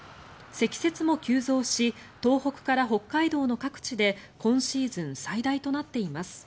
積雪も急増し東北から北海道の各地で今シーズン最大となっています。